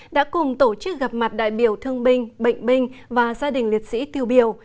đã cùng tổ chức gặp mặt đại biểu thương binh bệnh binh và gia đình liệt sĩ tiêu biểu